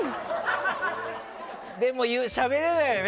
でもしゃべれないよね